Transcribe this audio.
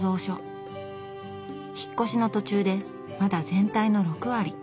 引っ越しの途中でまだ全体の６割。